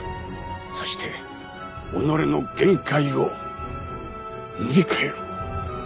そして己の限界を塗り替えろ。